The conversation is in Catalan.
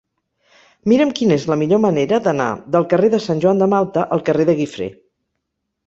Mira'm quina és la millor manera d'anar del carrer de Sant Joan de Malta al carrer de Guifré.